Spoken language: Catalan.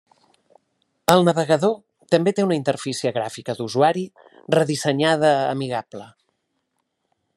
El navegador també té una interfície gràfica d'usuari redissenyada amigable.